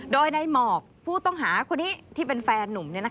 โดยในหมอกผู้ต้องหาคนนี้ที่เป็นแฟนนุ่ม